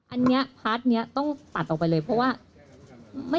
อันนี้พาร์ทนี้ต้องตัดออกไปเลยเพราะว่า